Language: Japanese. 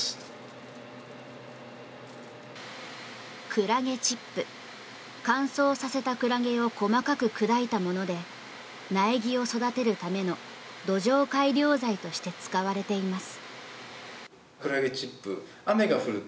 くらげチップ乾燥させたクラゲを細かく砕いたもので苗木を育てるための土壌改良剤として使われています。